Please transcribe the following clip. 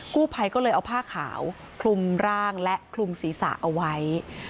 กู้ภัยก็เลยเอาผ้าขาวคลุมร่างและคลุมศีรษะเอาไว้